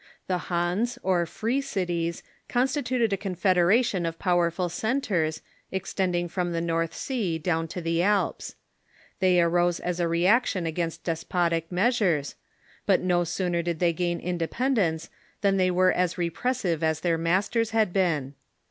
The Hanse or Free Cities constituted a confederation of powerful centres, extend ing from the Xorth Sea down to the Alps. They arose as a reaction against despotic measures, but no sooner did they gain independence than they were as repressive as their mas ters had been.